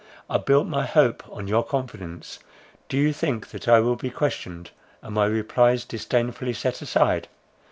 I built my hope on your confidence. Do you think that I will be questioned, and my replies disdainfully set aside?